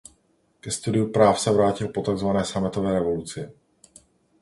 Ke studiu práv se vrátil po takzvané sametové revoluci.